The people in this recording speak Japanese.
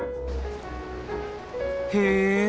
へえ